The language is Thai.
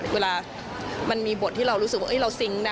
เวลามันมีบทที่เรารู้สึกว่าเราซิงค์นะ